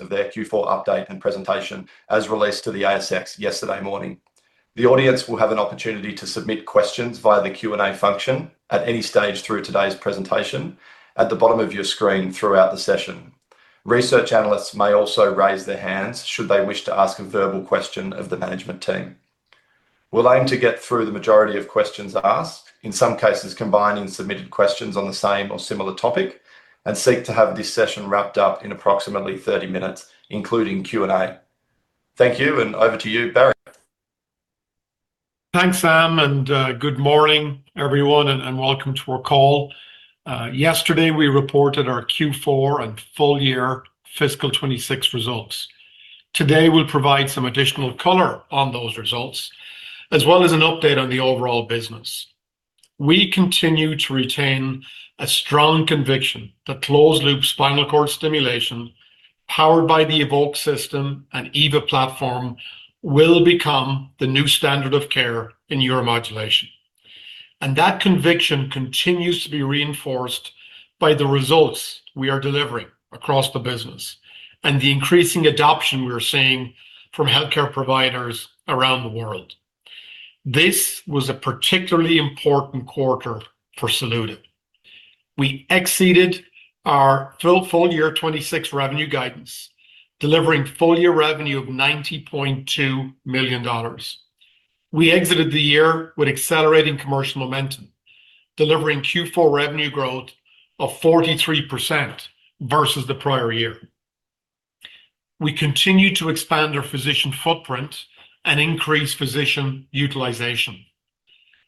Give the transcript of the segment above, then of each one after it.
of their Q4 update and presentation as released to the ASX yesterday morning. The audience will have an opportunity to submit questions via the Q&A function at any stage through today's presentation at the bottom of your screen throughout the session. Research analysts may also raise their hands should they wish to ask a verbal question of the management team. We'll aim to get through the majority of questions asked, in some cases combining submitted questions on the same or similar topic, and seek to have this session wrapped up in approximately 30 minutes, including Q&A. Thank you, and over to you, Barry. Thanks, Sam, and good morning, everyone, and welcome to our call. Yesterday we reported our Q4 and full year fiscal 2026 results. Today we'll provide some additional color on those results, as well as an update on the overall business. We continue to retain a strong conviction that closed-loop spinal cord stimulation, powered by the Evoke System and EVA platform, will become the new standard of care in neuromodulation. That conviction continues to be reinforced by the results we are delivering across the business and the increasing adoption we are seeing from healthcare providers around the world. This was a particularly important quarter for Saluda. We exceeded our full year 2026 revenue guidance, delivering full year revenue of $90.2 million. We exited the year with accelerating commercial momentum, delivering Q4 revenue growth of 43% versus the prior year. We continue to expand our physician footprint and increase physician utilization.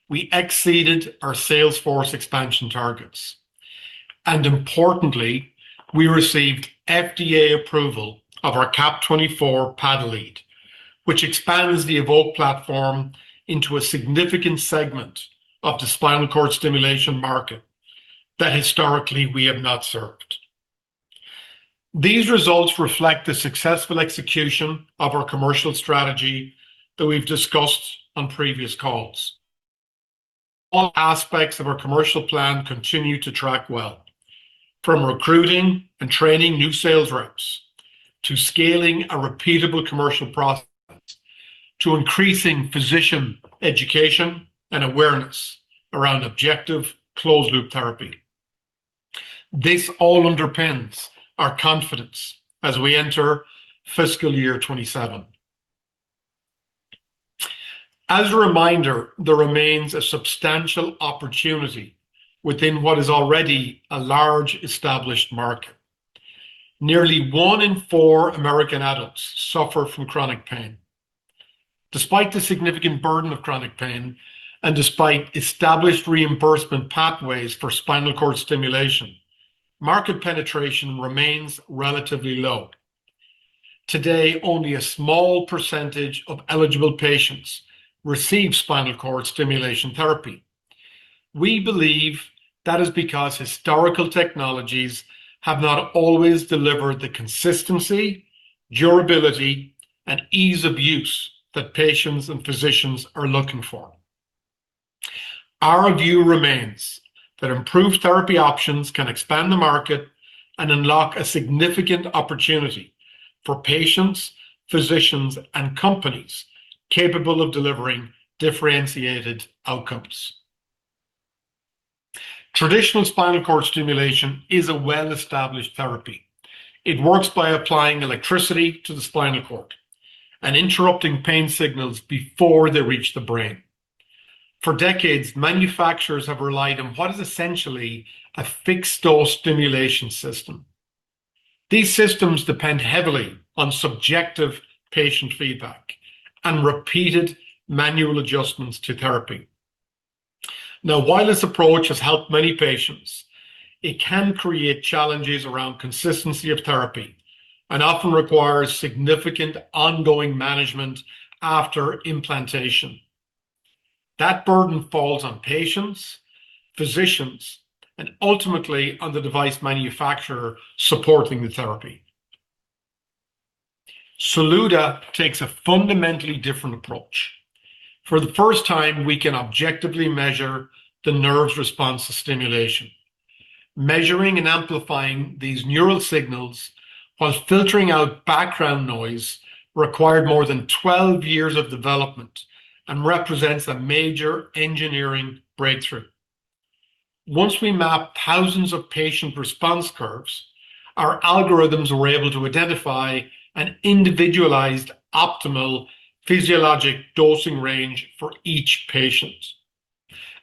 We exceeded our sales force expansion targets. Importantly, we received FDA approval of our CAP24 paddle lead, which expands the Evoke platform into a significant segment of the spinal cord stimulation market that historically we've not served. These results reflect the successful execution of our commercial strategy that we've discussed on previous calls. All aspects of our commercial plan continue to track well. From recruiting and training new sales reps, to scaling a repeatable commercial process, to increasing physician education and awareness around objective closed-loop therapy. This all underpins our confidence as we enter fiscal year 2027. As a reminder, there remains a substantial opportunity within what is already a large established market. Nearly 1:4 American adults suffer from chronic pain. Despite the significant burden of chronic pain, and despite established reimbursement pathways for spinal cord stimulation, market penetration remains relatively low. Today, only a small percentage of eligible patients receive Spinal Cord Stimulation System therapy. We believe that is because historical technologies have not always delivered the consistency, durability, and ease of use that patients and physicians are looking for. Our view remains that improved therapy options can expand the market and unlock a significant opportunity for patients, physicians, and companies capable of delivering differentiated outcomes. Traditional spinal cord stimulation is a well-established therapy. It works by applying electricity to the spinal cord and interrupting pain signals before they reach the brain. For decades, manufacturers have relied on what is essentially a fixed-dose stimulation system. These systems depend heavily on subjective patient feedback and repeated manual adjustments to therapy. While this approach has helped many patients, it can create challenges around consistency of therapy and often requires significant ongoing management after implantation. That burden falls on patients, physicians, and ultimately on the device manufacturer supporting the therapy. Saluda takes a fundamentally different approach. For the first time, we can objectively measure the nerve's response to stimulation. Measuring and amplifying these neural signals while filtering out background noise required more than 12 years of development and represents a major engineering breakthrough. Once we mapped thousands of patient response curves, our algorithms were able to identify an individualized optimal physiologic dosing range for each patient.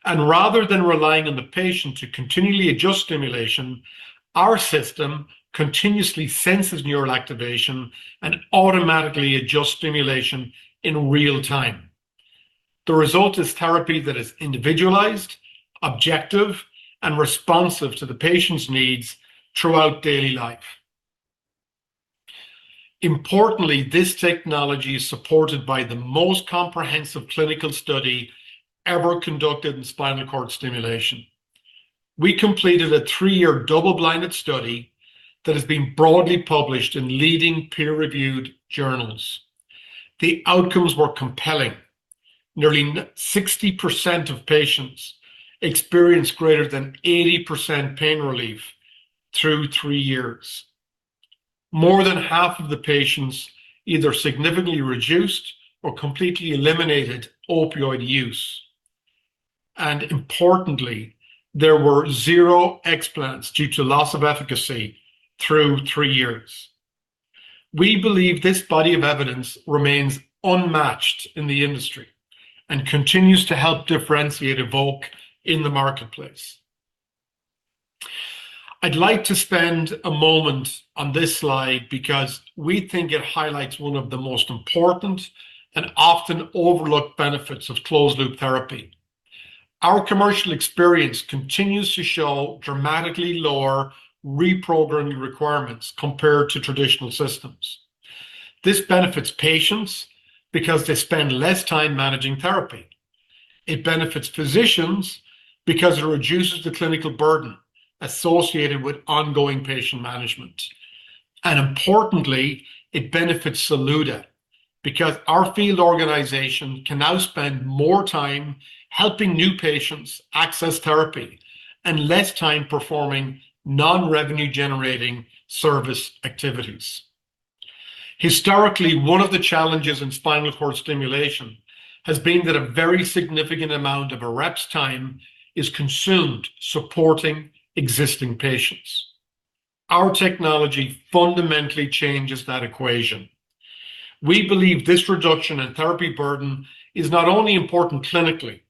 Rather than relying on the patient to continually adjust stimulation, our system continuously senses neural activation and automatically adjusts stimulation in real time. The result is therapy that is individualized, objective, and responsive to the patient's needs throughout daily life. Importantly, this technology is supported by the most comprehensive clinical study ever conducted in spinal cord stimulation. We completed a three-year double-blinded study that has been broadly published in leading peer-reviewed journals. The outcomes were compelling. Nearly 60% of patients experienced greater than 80% pain relief through three years. More than half of the patients either significantly reduced or completely eliminated opioid use. Importantly, there were zero explants due to loss of efficacy through three years. We believe this body of evidence remains unmatched in the industry and continues to help differentiate Evoke in the marketplace. I'd like to spend a moment on this slide because we think it highlights one of the most important and often overlooked benefits of closed-loop therapy. Our commercial experience continues to show dramatically lower reprogramming requirements compared to traditional systems. This benefits patients because they spend less time managing therapy. It benefits physicians because it reduces the clinical burden associated with ongoing patient management. Importantly, it benefits Saluda because our field organization can now spend more time helping new patients access therapy and less time performing non-revenue-generating service activities. Historically, one of the challenges in spinal cord stimulation has been that a very significant amount of a rep's time is consumed supporting existing patients. Our technology fundamentally changes that equation. We believe this reduction in therapy burden is not only important clinically,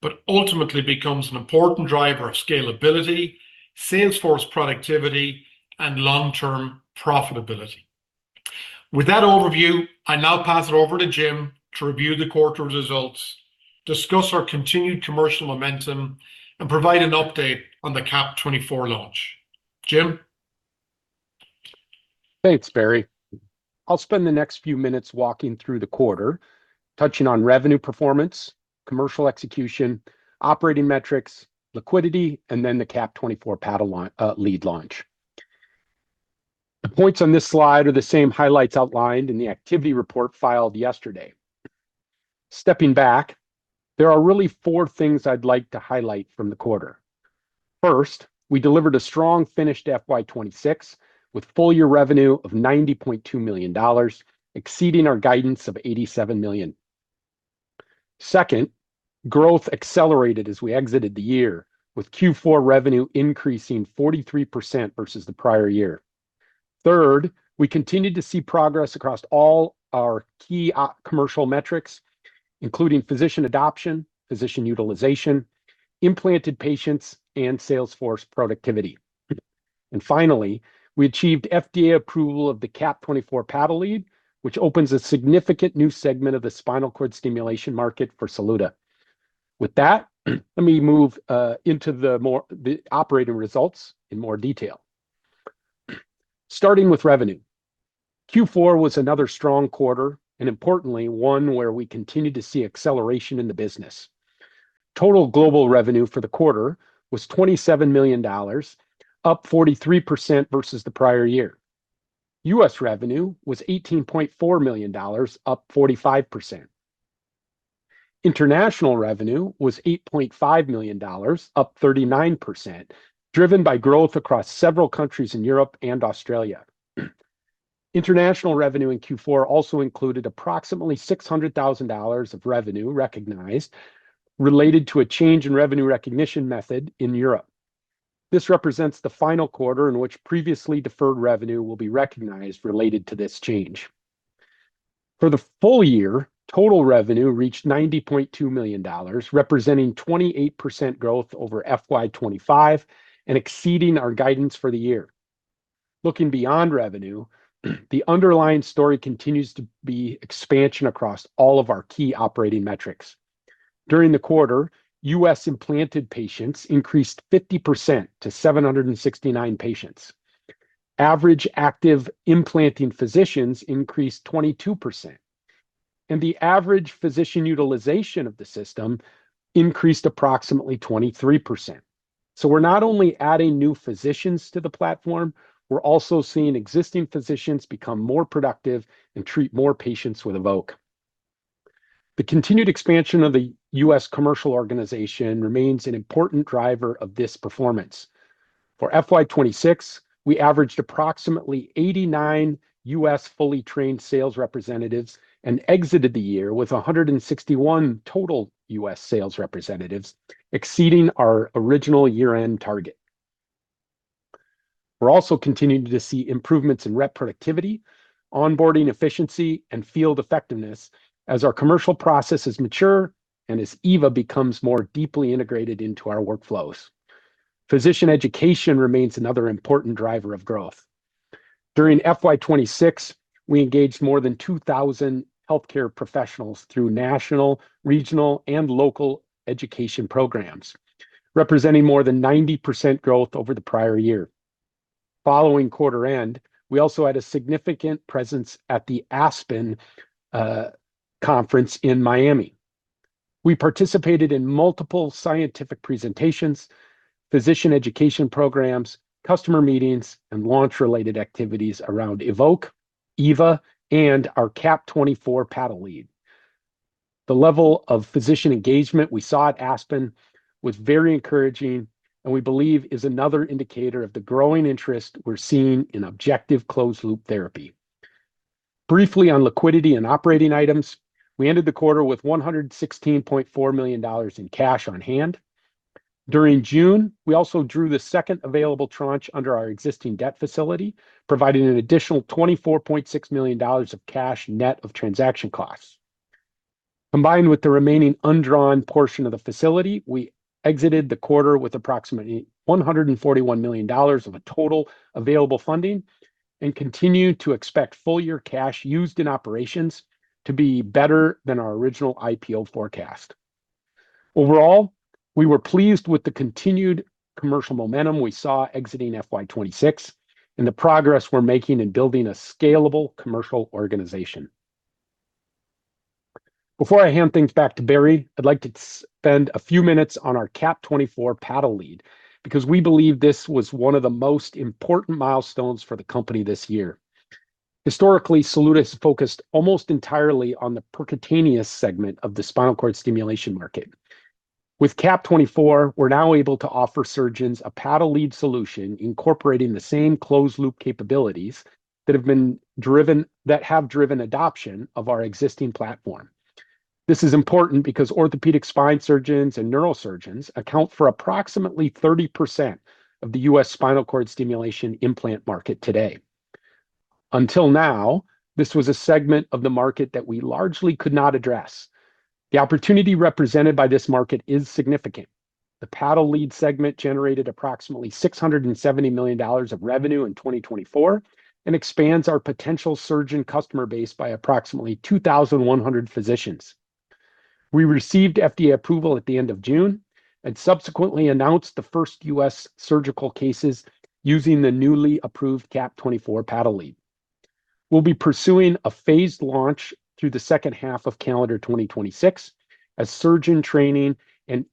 but ultimately becomes an important driver of scalability, sales force productivity, and long-term profitability. With that overview, I now pass it over to Jim to review the quarter results, discuss our continued commercial momentum, and provide an update on the CAP24 launch. Jim? Thanks, Barry. I'll spend the next few minutes walking through the quarter, touching on revenue performance, commercial execution, operating metrics, liquidity, and then the CAP24 paddle lead launch. The points on this slide are the same highlights outlined in the activity report filed yesterday. Stepping back, there are really four things I'd like to highlight from the quarter. First, we delivered a strong finished FY 2026 with full-year revenue of $90.2 million, exceeding our guidance of $87 million. Second, growth accelerated as we exited the year, with Q4 revenue increasing 43% versus the prior year. Third, we continued to see progress across all our key commercial metrics, including physician adoption, physician utilization, implanted patients, and sales force productivity. Finally, we achieved FDA approval of the CAP24 paddle lead, which opens a significant new segment of the spinal cord stimulation market for Saluda. With that, let me move into the operating results in more detail. Starting with revenue. Q4 was another strong quarter, importantly, one where we continued to see acceleration in the business. Total global revenue for the quarter was $27 million, up 43% versus the prior year. U.S. revenue was $18.4 million, up 45%. International revenue was $8.5 million, up 39%, driven by growth across several countries in Europe and Australia. International revenue in Q4 also included approximately $600,000 of revenue recognized related to a change in revenue recognition method in Europe. This represents the final quarter in which previously deferred revenue will be recognized related to this change. For the full year, total revenue reached $90.2 million, representing 28% growth over FY 2025 and exceeding our guidance for the year. Looking beyond revenue, the underlying story continues to be expansion across all of our key operating metrics. During the quarter, U.S. implanted patients increased 50% to 769 patients. Average active implanting physicians increased 22%, the average physician utilization of the system increased approximately 23%. We're not only adding new physicians to the platform, we're also seeing existing physicians become more productive and treat more patients with Evoke. The continued expansion of the U.S. commercial organization remains an important driver of this performance. For FY 2026, we averaged approximately 89 U.S. fully trained sales representatives and exited the year with 161 total U.S. sales representatives, exceeding our original year-end target. We're also continuing to see improvements in rep productivity, onboarding efficiency, and field effectiveness as our commercial processes mature and as EVA becomes more deeply integrated into our workflows. Physician education remains another important driver of growth. During FY 2026, we engaged more than 2,000 healthcare professionals through national, regional, and local education programs, representing more than 90% growth over the prior year. Following quarter end, we also had a significant presence at the ASPN Conference in Miami. We participated in multiple scientific presentations, physician education programs, customer meetings, and launch-related activities around Evoke, EVA, and our CAP24 paddle lead. The level of physician engagement we saw at ASPN was very encouraging and we believe is another indicator of the growing interest we're seeing in objective closed-loop therapy. Briefly on liquidity and operating items, we ended the quarter with $116.4 million in cash on hand. During June, we also drew the second available tranche under our existing debt facility, providing an additional $24.6 million of cash net of transaction costs. Combined with the remaining undrawn portion of the facility, we exited the quarter with approximately $141 million of a total available funding and continue to expect full-year cash used in operations to be better than our original IPO forecast. Overall, we were pleased with the continued commercial momentum we saw exiting FY 2026 and the progress we're making in building a scalable commercial organization. Before I hand things back to Barry, I'd like to spend a few minutes on our CAP24 paddle lead because we believe this was one of the most important milestones for the company this year. Historically, Saluda's focused almost entirely on the percutaneous segment of the spinal cord stimulation market. With CAP24, we're now able to offer surgeons a paddle lead solution incorporating the same closed-loop capabilities that have driven adoption of our existing platform. This is important because orthopedic spine surgeons and neurosurgeons account for approximately 30% of the U.S. spinal cord stimulation implant market today. Until now, this was a segment of the market that we largely could not address. The opportunity represented by this market is significant. The paddle lead segment generated approximately $670 million of revenue in 2024 and expands our potential surgeon customer base by approximately 2,100 physicians. We received FDA approval at the end of June and subsequently announced the first U.S. surgical cases using the newly approved CAP24 paddle lead. We'll be pursuing a phased launch through the second half of calendar 2026 as surgeon training and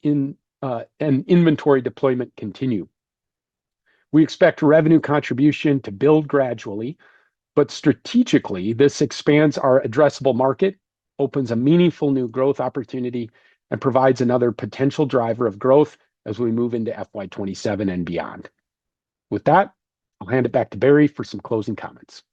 inventory deployment continue. We expect revenue contribution to build gradually, but strategically this expands our addressable market, opens a meaningful new growth opportunity, and provides another potential driver of growth as we move into FY 2027 and beyond. With that, I'll hand it back to Barry for some closing comments.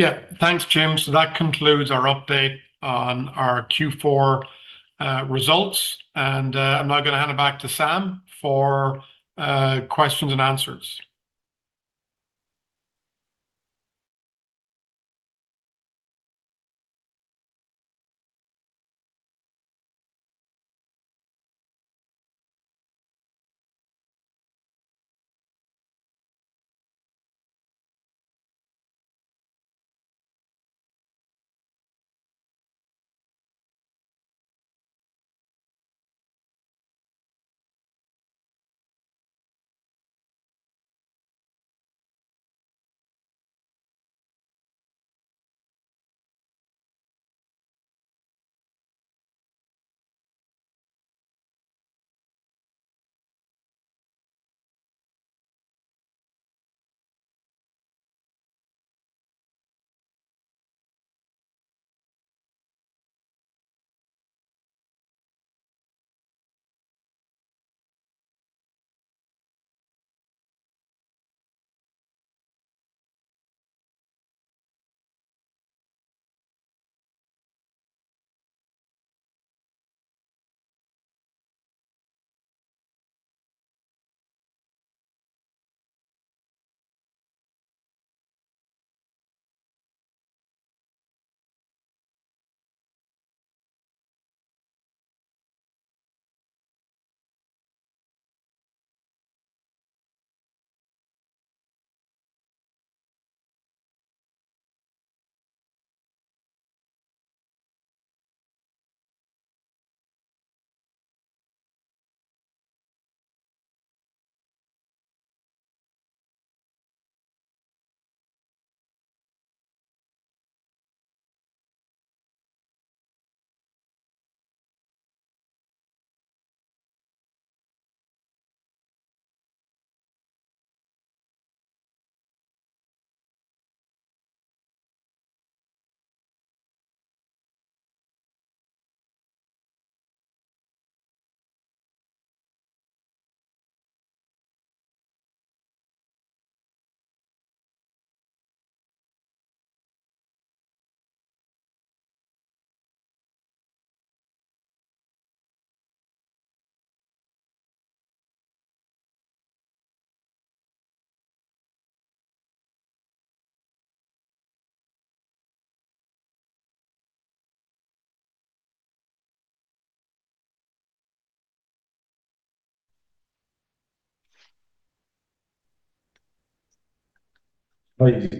Yeah. Thanks, Jim. That concludes our update on our Q4 results. I'm now going to hand it back to Sam for questions and answers.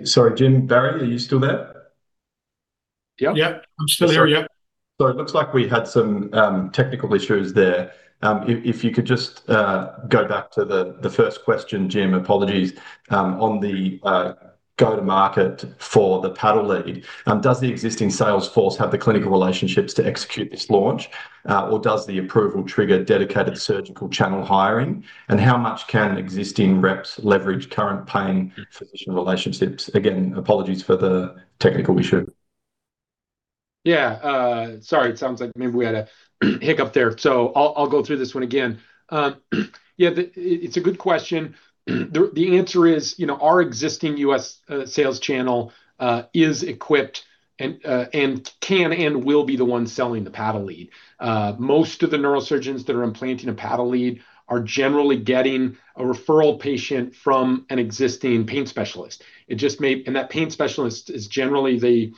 Sorry, Jim, Barry, are you still there? Yeah. Yeah. I'm still here. Yeah. Sorry. It looks like we had some technical issues there. If you could just go back to the first question, Jim, apologies, on the go-to-market for the paddle lead. Does the existing sales force have the clinical relationships to execute this launch, or does the approval trigger dedicated surgical channel hiring? And how much can existing reps leverage current pain physician relationships? Again, apologies for the technical issue. Yeah. Sorry. It sounds like maybe we had a hiccup there. I'll go through this one again. Yeah. It's a good question. The answer is, our existing U.S. sales channel is equipped and can and will be the one selling the paddle lead. Most of the neurosurgeons that are implanting a paddle lead are generally getting a referral patient from an existing pain specialist. That pain specialist is generally the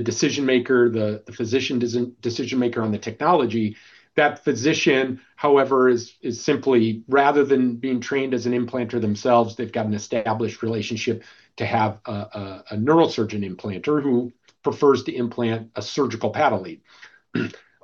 decision-maker, the physician decision-maker on the technology. That physician, however, is simply rather than being trained as an implanter themselves, they've got an established relationship to have a neurosurgeon implanter who prefers to implant a surgical paddle lead.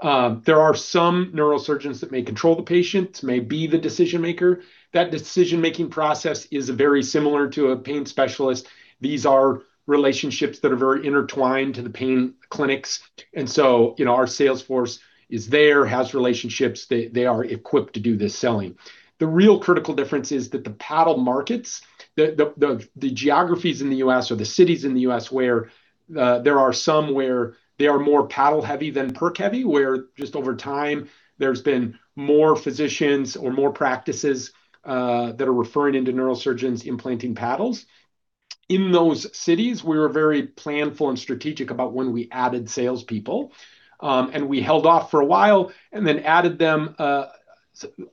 There are some neurosurgeons that may control the patients, may be the decision-maker. That decision-making process is very similar to a pain specialist. These are relationships that are very intertwined to the pain clinics. Our sales force is there, has relationships. They are equipped to do the selling. The real critical difference is that the paddle markets, the geographies in the U.S. or the cities in the U.S. where there are some where they are more paddle heavy than perc heavy, where just over time there's been more physicians or more practices that are referring into neurosurgeons implanting paddles. In those cities, we were very planful and strategic about when we added salespeople. We held off for a while and then added them,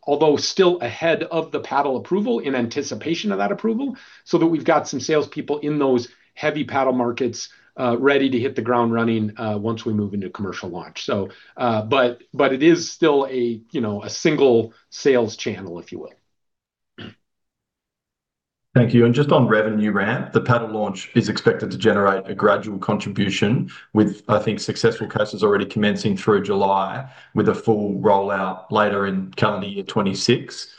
although still ahead of the paddle approval in anticipation of that approval, so that we've got some salespeople in those heavy paddle markets ready to hit the ground running once we move into commercial launch. It is still a single sales channel, if you will. Thank you. Just on revenue ramp, the paddle launch is expected to generate a gradual contribution with, I think, successful cases already commencing through July with a full rollout later in calendar year 2026.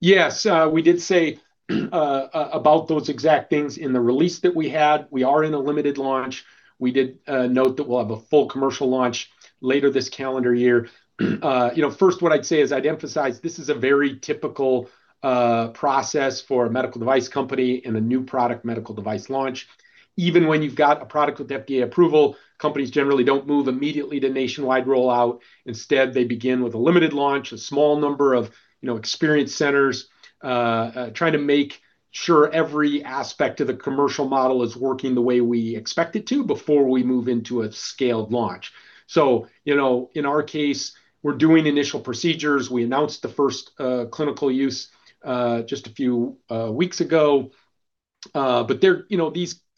Yes. We did say about those exact things in the release that we had. We are in a limited launch. We did note that we'll have a full commercial launch later this calendar year. First, what I'd say is I'd emphasize this is a very typical process for a medical device company and a new product medical device launch. Even when you've got a product with FDA approval, companies generally don't move immediately to nationwide rollout. Instead, they begin with a limited launch, a small number of experience centers, trying to make sure every aspect of the commercial model is working the way we expect it to before we move into a scaled launch. In our case, we're doing initial procedures. We announced the first clinical use just a few weeks ago.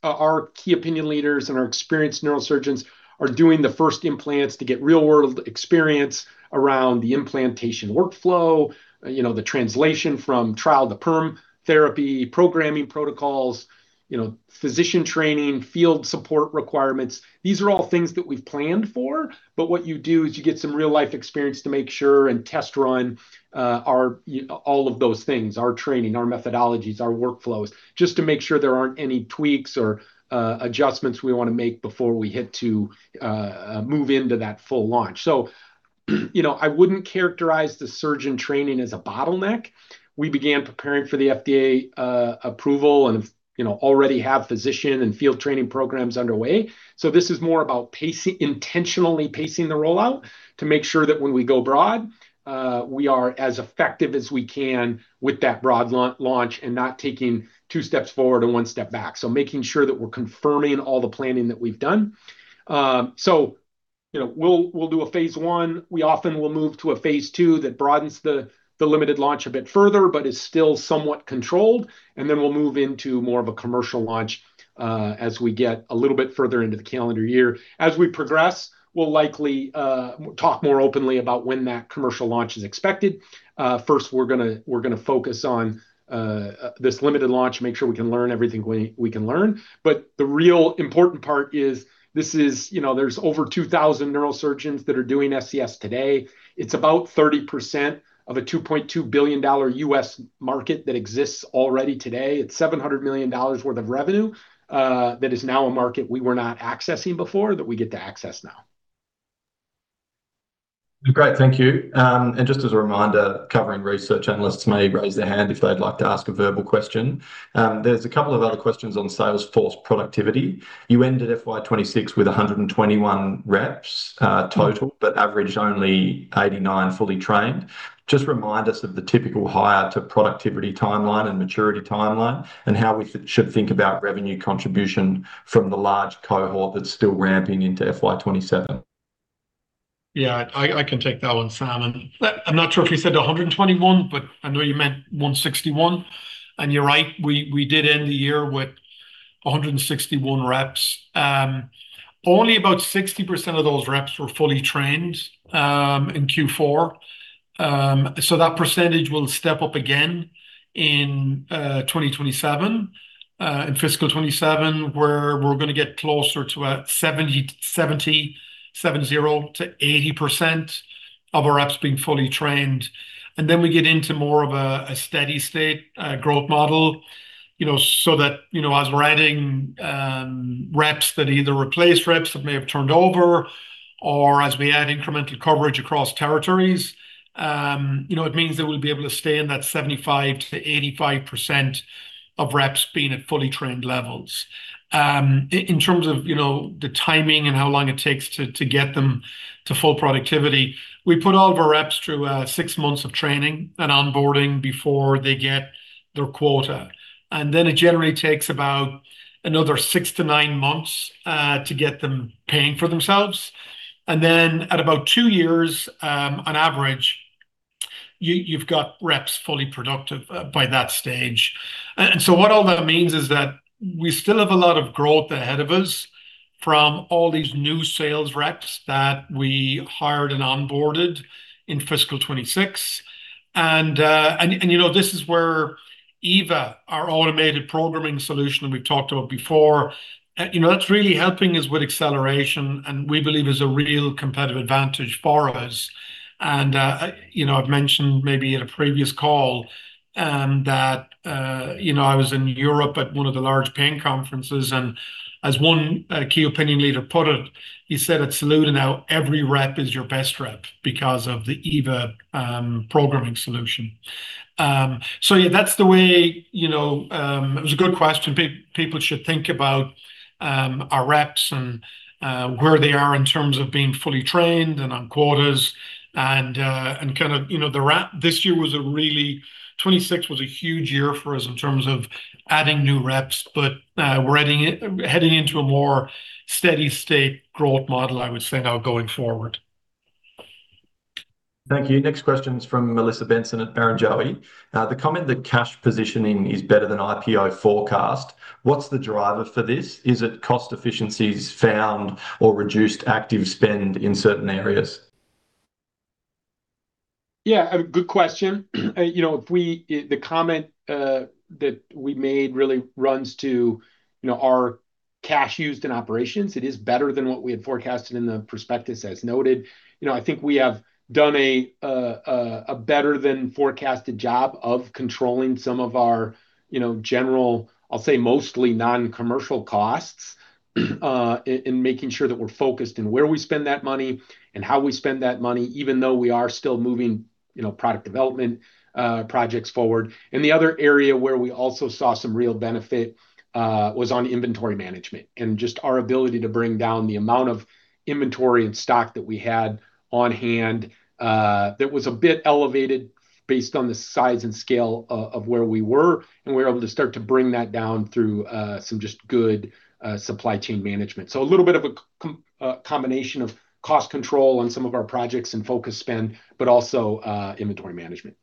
Our key opinion leaders and our experienced neurosurgeons are doing the first implants to get real-world experience around the implantation workflow, the translation from trial to perm therapy, programming protocols, physician training, field support requirements. These are all things that we've planned for, but what you do is you get some real-life experience to make sure and test run all of those things, our training, our methodologies, our workflows, just to make sure there aren't any tweaks or adjustments we want to make before we head to move into that full launch. I wouldn't characterize the surgeon training as a bottleneck. We began preparing for the FDA approval and already have physician and field training programs underway. This is more about intentionally pacing the rollout to make sure that when we go broad, we are as effective as we can with that broad launch and not taking two steps forward and one step back. Making sure that we're confirming all the planning that we've done. We'll do a phase I. We often will move to a phase II that broadens the limited launch a bit further but is still somewhat controlled, and then we'll move into more of a commercial launch as we get a little bit further into the calendar year. As we progress, we'll likely talk more openly about when that commercial launch is expected. First, we're going to focus on this limited launch, make sure we can learn everything we can learn. The real important part is there's over 2,000 neurosurgeons that are doing SCS today. It's about 30% of a $2.2 billion U.S. market that exists already today. It's $700 million worth of revenue that is now a market we were not accessing before, that we get to access now. Great. Thank you. Just as a reminder, covering research analysts may raise their hand if they'd like to ask a verbal question. There's a couple of other questions on sales force productivity. You ended FY 2026 with 121 reps total, but averaged only 89 fully trained. Just remind us of the typical hire-to-productivity timeline and maturity timeline, and how we should think about revenue contribution from the large cohort that's still ramping into FY 2027. Yeah, I can take that one, Sam, I'm not sure if you said 121, but I know you meant 161. You're right, we did end the year with 161 reps. Only about 60% of those reps were fully trained in Q4. That percentage will step up again in 2027, in fiscal 2027, where we're going to get closer to a 70%-80% of our reps being fully trained. Then we get into more of a steady state growth model, so that as we're adding reps that either replace reps that may have turned over, or as we add incremental coverage across territories, it means that we'll be able to stay in that 75%-85% of reps being at fully trained levels. In terms of the timing and how long it takes to get them to full productivity, we put all of our reps through six months of training and onboarding before they get their quota. Then it generally takes about another six to nine months to get them paying for themselves. Then at about two years, on average, you've got reps fully productive by that stage. What all that means is that we still have a lot of growth ahead of us from all these new sales reps that we hired and onboarded in fiscal 2026. This is where EVA, our automated programming solution we've talked about before, that's really helping us with acceleration and we believe is a real competitive advantage for us. I've mentioned maybe in a previous call that I was in Europe at one of the large pain conferences, and as one key opinion leader put it, he said, "At Saluda now every rep is your best rep because of the EVA programming solution." Yeah, that's the way. It was a good question. People should think about our reps and where they are in terms of being fully trained and on quotas. This year, 2026 was a huge year for us in terms of adding new reps, but we're heading into a more steady state growth model, I would say now going forward. Thank you. Next question is from Melissa Benson at Barrenjoey. The comment that cash positioning is better than IPO forecast, what's the driver for this? Is it cost efficiencies found or reduced active spend in certain areas? A good question. The comment that we made really runs to our cash used in operations. It is better than what we had forecasted in the prospectus, as noted. I think we have done a better than forecasted job of controlling some of our general, I'll say mostly non-commercial costs, and making sure that we're focused in where we spend that money and how we spend that money, even though we are still moving product development projects forward. The other area where we also saw some real benefit was on inventory management, and just our ability to bring down the amount of inventory and stock that we had on hand that was a bit elevated based on the size and scale of where we were. We were able to start to bring that down through some just good supply chain management. A little bit of a combination of cost control on some of our projects and focused spend, but also inventory management.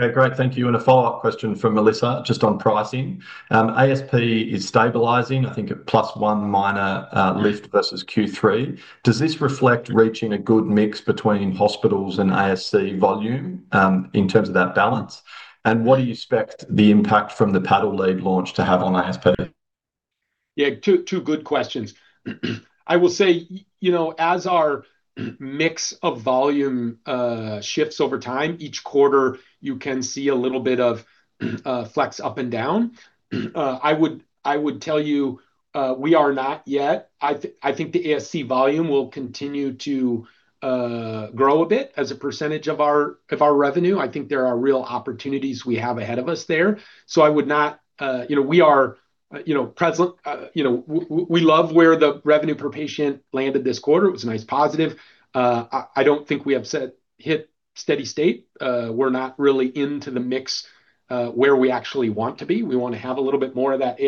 Okay. Great. Thank you. A follow-up question from Melissa just on pricing. ASP is stabilizing, I think at +1 minor lift versus Q3. Does this reflect reaching a good mix between hospitals and ASC volume, in terms of that balance? What do you expect the impact from the paddle lead launch to have on ASP? Two good questions. I will say, as our mix of volume shifts over time, each quarter you can see a little bit of flex up and down. I would tell you we are not yet. I think the ASC volume will continue to grow a bit as a percentage of our revenue. I think there are real opportunities we have ahead of us there. We love where the revenue per patient landed this quarter. It was a nice positive. I don't think we have hit steady state. We're not really into the mix where we actually want to be. We want to have a little bit more of that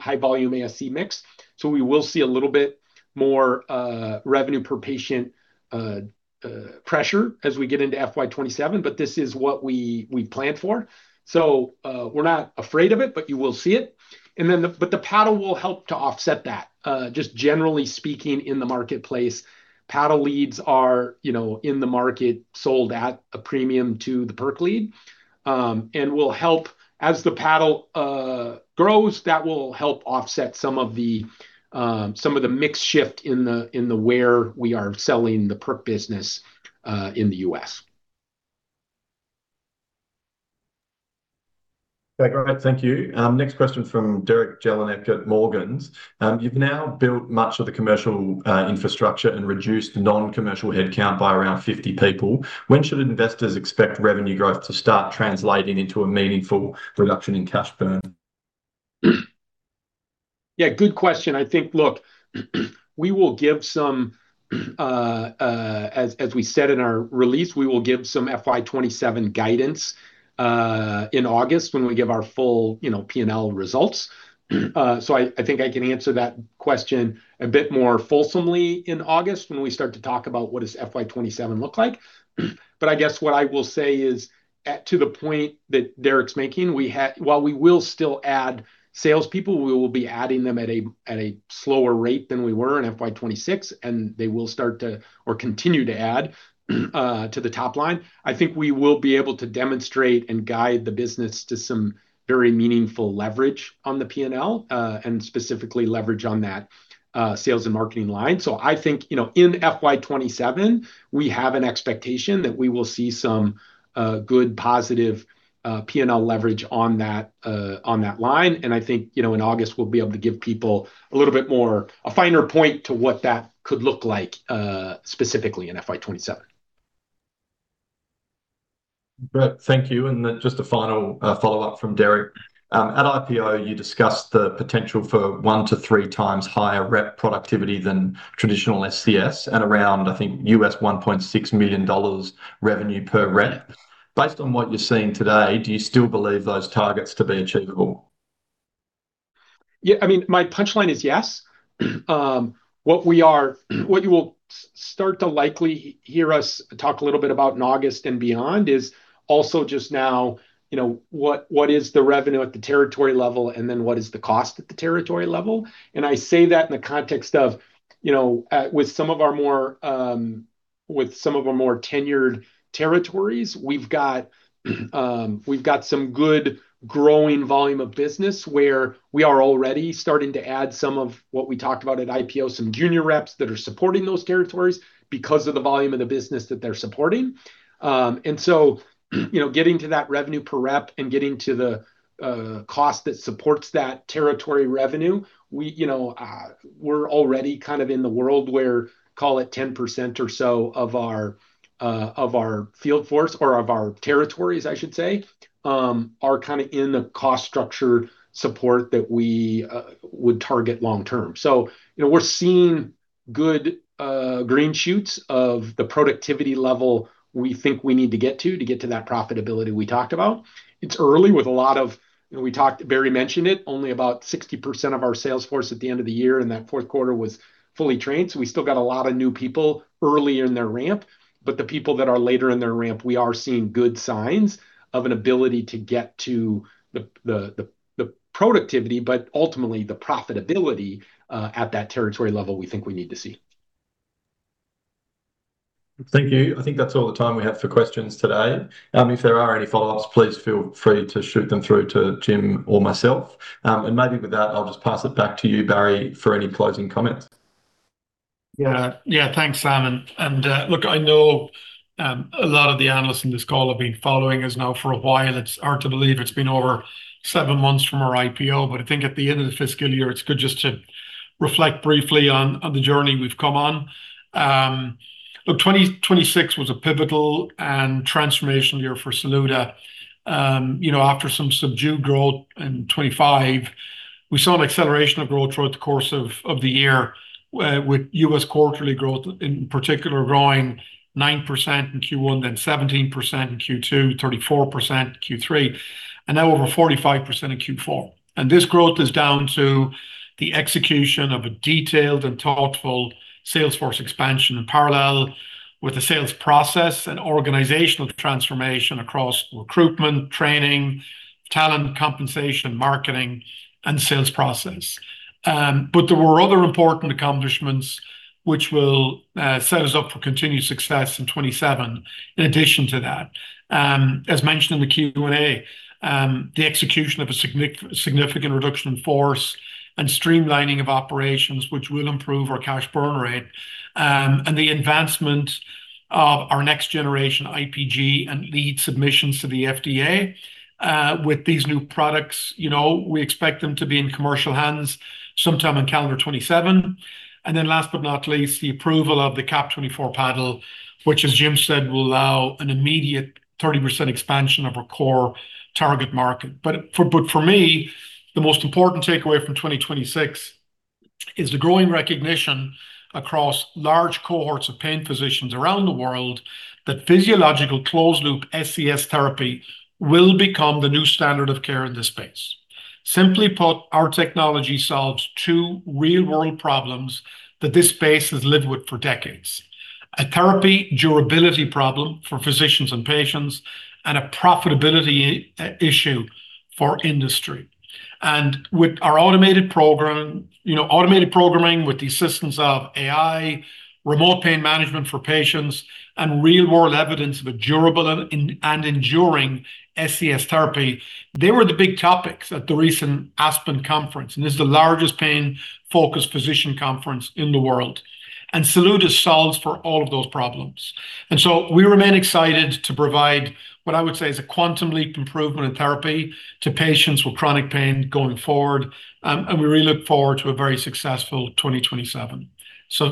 high volume ASC mix. We will see a little bit more revenue per patient pressure as we get into FY 2027, but this is what we planned for. We're not afraid of it, but you will see it. The paddle will help to offset that. Generally speaking in the marketplace, paddle leads are in the market sold at a premium to the perc lead. As the paddle grows, that will help offset some of the mix shift in where we are selling the perc business in the U.S. Okay. Great. Thank you. Next question from Derek Jellinek at Morgans. You've now built much of the commercial infrastructure and reduced non-commercial headcount by around 50 people. When should investors expect revenue growth to start translating into a meaningful reduction in cash burn? Yeah, good question. I think, look, as we said in our release, we will give some FY 2027 guidance in August when we give our full P&L results. I think I can answer that question a bit more fulsomely in August when we start to talk about what does FY 2027 look like. I guess what I will say is, to the point that Derek's making, while we will still add salespeople, we will be adding them at a slower rate than we were in FY 2026, and they will start to, or continue to add to the top line. I think we will be able to demonstrate and guide the business to some very meaningful leverage on the P&L, and specifically leverage on that sales and marketing line. I think, in FY 2027, we have an expectation that we will see some good positive P&L leverage on that line, and I think in August we'll be able to give people a finer point to what that could look like specifically in FY 2027. Great. Thank you. Just a final follow-up from Derek. At IPO, you discussed the potential for one to three times higher rep productivity than traditional SCS and around, I think, $1.6 million revenue per rep. Based on what you're seeing today, do you still believe those targets to be achievable? Yeah, my punchline is yes. What you will start to likely hear us talk a little bit about in August and beyond is also just now what is the revenue at the territory level, then what is the cost at the territory level. I say that in the context of, with some of our more tenured territories, we've got some good growing volume of business where we are already starting to add some of what we talked about at IPO, some junior reps that are supporting those territories because of the volume of the business that they're supporting. Getting to that revenue per rep and getting to the cost that supports that territory revenue, we're already in the world where, call it 10% or so of our field force or of our territories, I should say, are in the cost structure support that we would target long term. We're seeing good green shoots of the productivity level we think we need to get to get to that profitability we talked about. It's early with a lot of Barry mentioned it, only about 60% of our sales force at the end of the year and that fourth quarter was fully trained, we still got a lot of new people early in their ramp. The people that are later in their ramp, we are seeing good signs of an ability to get to the productivity, but ultimately the profitability, at that territory level we think we need to see. Thank you. I think that's all the time we have for questions today. If there are any follow-ups, please feel free to shoot them through to Jim or myself. Maybe with that, I'll just pass it back to you, Barry, for any closing comments. Yeah. Thanks, Sam. Look, I know a lot of the analysts on this call have been following us now for a while. It's hard to believe it's been over seven months from our IPO, but I think at the end of the fiscal year, it's good just to reflect briefly on the journey we've come on. Look, 2026 was a pivotal and transformational year for Saluda. After some subdued growth in 2025, we saw an acceleration of growth throughout the course of the year, with U.S. quarterly growth in particular growing 9% in Q1, then 17% in Q2, 34% Q3, and now over 45% in Q4. This growth is down to the execution of a detailed and thoughtful sales force expansion in parallel with the sales process and organizational transformation across recruitment, training, talent, compensation, marketing, and sales process. There were other important accomplishments which will set us up for continued success in 2027 in addition to that. As mentioned in the Q&A, the execution of a significant reduction in force and streamlining of operations, which will improve our cash burn rate, and the advancement of our next generation IPG and lead submissions to the FDA. With these new products, we expect them to be in commercial hands sometime in calendar 2027. Last but not least, the approval of the CAP24 paddle, which as Jim said, will allow an immediate 30% expansion of our core target market. For me, the most important takeaway from 2026 is the growing recognition across large cohorts of pain physicians around the world that physiological closed loop SCS therapy will become the new standard of care in this space. Simply put, our technology solves two real-world problems that this space has lived with for decades. A therapy durability problem for physicians and patients, and a profitability issue for industry. With our automated programming, with the assistance of AI, remote pain management for patients, and real-world evidence of a durable and enduring SCS therapy, they were the big topics at the recent ASPN Conference. This is the largest pain-focused physician conference in the world. Saluda solves for all of those problems. We remain excited to provide what I would say is a quantum leap improvement in therapy to patients with chronic pain going forward. We really look forward to a very successful 2027.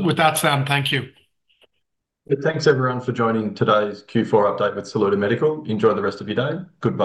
With that, Sam, thank you. Thanks everyone for joining today's Q4 update with Saluda Medical. Enjoy the rest of your day. Goodbye.